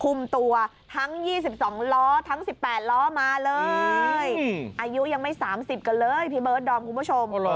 ตัวทั้ง๒๒ล้อทั้ง๑๘ล้อมาเลยอายุยังไม่๓๐กันเลยพี่เบิร์ดดอมคุณผู้ชม